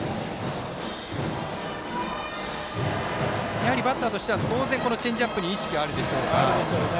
やはりバッターとしては当然、このチェンジアップにあるでしょうね。